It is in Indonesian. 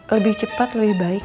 lebih cepat lebih baik